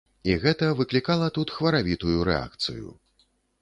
І гэта выклікала тут хваравітую рэакцыю.